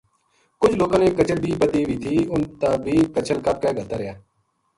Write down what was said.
کُجھ لوکاں نے کچر بھی بَدھی وی تھی اُنھ تا بھی کَچھل کَپ کے گھَلتا رہیا